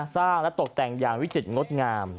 สร้างและตกแต่งอย่างวิจิตรงดงาม